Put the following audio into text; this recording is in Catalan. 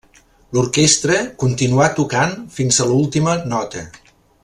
L'orquestra continuà tocant fins a l'última nota.